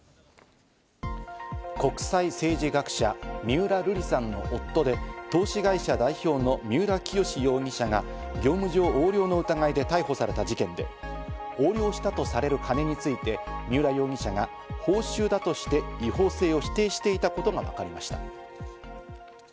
国際政治学者・三浦瑠麗さんの夫で、投資会社代表の三浦清志容疑者が、業務上横領の疑いで逮捕された事件で、横領したとされる金について、三浦容疑者が報酬だとして違法性を否定していたことがわかりました。